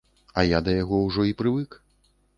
А я да яго ўжо і прывык.